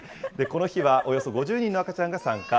この日は、およそ５０人の赤ちゃんが参加。